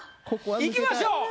いきましょう！